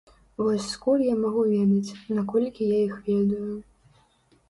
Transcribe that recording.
Вось скуль я магу ведаць, наколькі я іх ведаю.